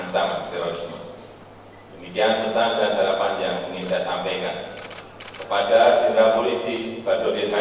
sehingga dapat menjamin paksa hukum